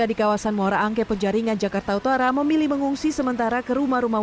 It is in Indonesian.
yang di kawasan moraangke penjaringan jakarta utara memilih mengungsi sementara ke rumah rumah